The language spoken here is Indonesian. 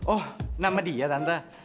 oh nama dia tante